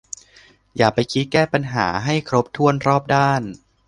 อย่าไปคิดแก้ปัญหาให้ครบถ้วนรอบด้าน